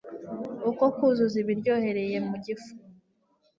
ko kuzuza ibiryohereye mu gifu.